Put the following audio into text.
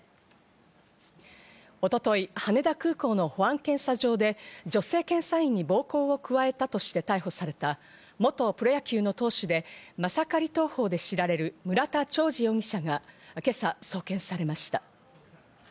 一昨日、羽田空港の保安検査場で女性検査員に暴行を加えたとして逮捕された、元プロ野球の投手で、マサカリ投法で知られる村田兆治容疑者が今朝送検されました。